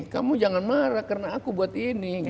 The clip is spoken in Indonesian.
kamu jangan marah karena aku buat ini